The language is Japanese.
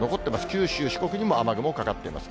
九州、四国にも雨雲かかっています。